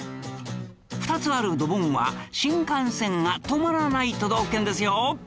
２つあるドボンは新幹線が止まらない都道府県ですよ